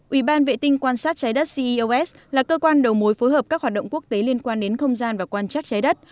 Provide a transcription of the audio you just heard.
ủy ban vệ tinh quan sát trái đất ceos là cơ quan đầu mối phối hợp các hoạt động quốc tế liên quan đến không gian và quan trắc trái đất